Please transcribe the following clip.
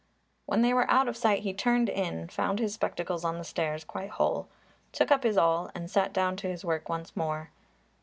When they were out of sight he turned in, found his spectacles on the stairs quite whole, took up his awl and sat down to his work once more.